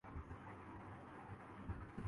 تم نے آج بہت اچھا کام کیا